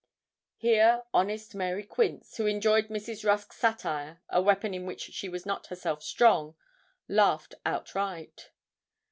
Here honest Mary Quince, who enjoyed Mrs. Rusk's satire, a weapon in which she was not herself strong, laughed outright.